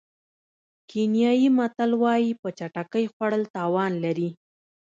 کینیايي متل وایي په چټکۍ خوړل تاوان لري.